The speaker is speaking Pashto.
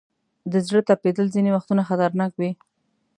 د زړه ټپېدل ځینې وختونه خطرناک وي.